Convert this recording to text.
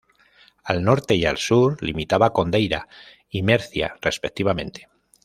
Al norte y al sur limitaba con Deira y Mercia respectivamente.